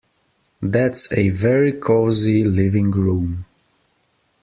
That's a very cosy living room